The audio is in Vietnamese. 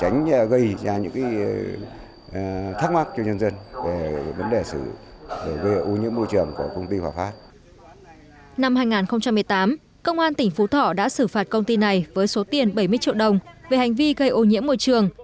năm hai nghìn một mươi tám công an tỉnh phú thọ đã xử phạt công ty này với số tiền bảy mươi triệu đồng về hành vi gây ô nhiễm môi trường